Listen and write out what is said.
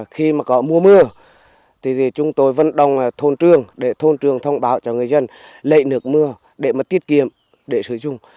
khi mà có mưa mưa chúng tôi vẫn đồng thôn trường để thôn trường thông báo cho người dân lệ nước mưa để tiết kiệm để sử dụng